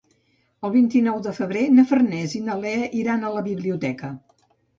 El vint-i-nou de febrer na Farners i na Lea iran a la biblioteca.